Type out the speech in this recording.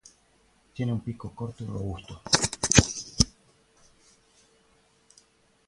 Tiene un pico corto y robusto.